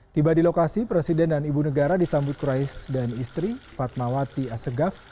tiba di lokasi presiden dan ibu negara disambut kurais dan istri fatmawati asegaf